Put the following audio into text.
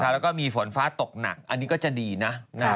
แล้วก็มีฝนฟ้าตกหนักอันนี้ก็จะดีนะ